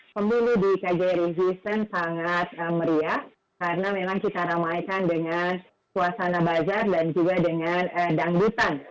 pemilu di kjri hoason sangat meriah karena memang kita ramaikan dengan suasana bazar dan juga dengan dangdutan